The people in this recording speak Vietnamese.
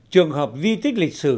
hai trường hợp di tích lịch sử